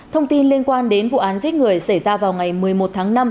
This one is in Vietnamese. thông tin liên quan đến vụ án giết người xảy ra vào ngày một mươi một tháng năm